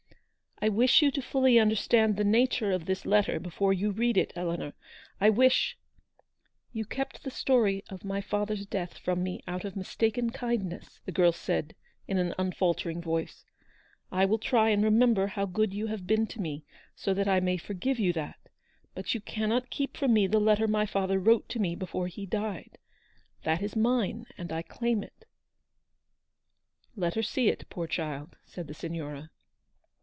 "I wish you to fully understand the nature of this letter before you read it, Eleanor; I wish —" "You kept the story of my father's death from me out of mistaken kindness," the girl said, in an unfaltering voice ;" I will try and remember how good you have been to me, so that I may forgive you that ; but you cannot keep from me the letter my father wrote to me before he died. That is mine ; and I claim it." " Let her see it, poor child," said the Signora.